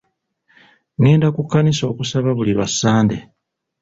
Ngenda ku kkanisa okusaba buli lwasande